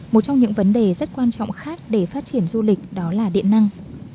một trong những vấn đề rất quan trọng khác để phát triển du lịch đó là điện năng